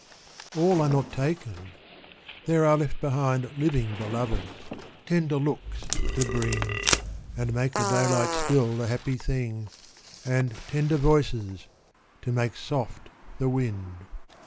A LL are not taken ! there are left behind Living Beloveds, tender looks to bring, And make the daylight still a happy thing, And tender voices, to make soft the wind.